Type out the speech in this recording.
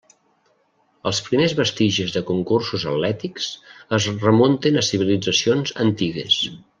Els primers vestigis de concursos atlètics es remunten a civilitzacions antigues.